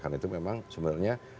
karena itu memang sebenarnya